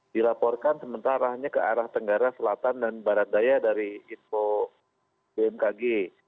dilaporkan sementaranya ke arah tenggara selatan dan barat daya dari info bmkg